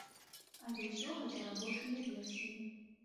Але ўсё гэта рабочыя версіі.